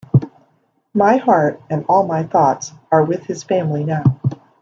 My heart and all my thoughts are with his family now.